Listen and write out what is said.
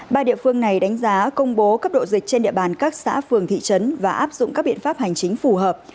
ba địa phương này đánh giá công bố cấp độ dịch trên địa bàn các xã phường thị trấn và áp dụng các biện pháp hành chính phù hợp